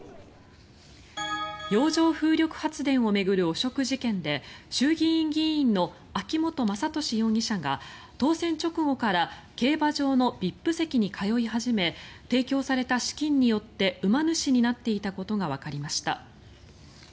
洋上風力発電を巡る汚職事件で衆議院議員の秋本真利容疑者が当選直後から競馬場のＶＩＰ席に通い始め提供された資金によって馬主になっていたことがわかりました。